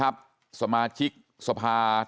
ทำให้สัมภาษณ์อะไรต่างนานไปออกรายการเยอะแยะไปหมด